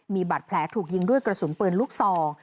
มีบาดแผลถูกยิงด้วยกระสุนปืนลูกซอง